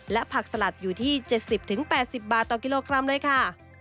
และผักสลัดอยู่ที่๗๐๘๐บาทต่อกิโลกรัมเลยค่ะ